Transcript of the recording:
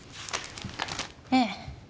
ええ。